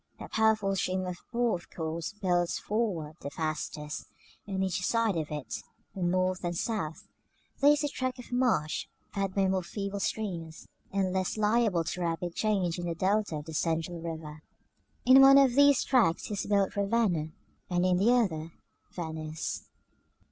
The powerful stream of the Po of course builds forward the fastest; on each side of it, north and south, there is a tract of marsh, fed by more feeble streams, and less liable to rapid change than the delta of the central river. In one of these tracts is built RAVENNA, and in the other VENICE.